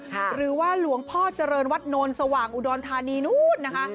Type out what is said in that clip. หรือว่าหลวงพ่อเจริญวัดโนนสว่างอุดรธานีนู้นนะคะ